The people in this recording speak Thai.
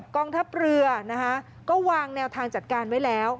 กองทัพเรือนะคะก็วางแนวทางจัดการไว้แล้ว